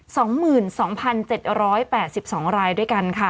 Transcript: สองหมื่นสองพันเจ็ดร้อยแปดสิบสองรายด้วยกันค่ะ